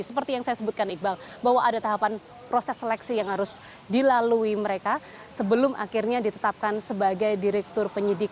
seperti yang saya sebutkan iqbal bahwa ada tahapan proses seleksi yang harus dilalui mereka sebelum akhirnya ditetapkan sebagai direktur penyidikan